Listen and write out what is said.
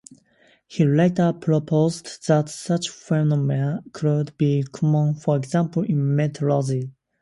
He later proposed that such phenomena could be common, for example, in meteorology.